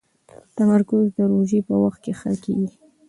تمرکز د روژې په وخت کې ښه کېږي.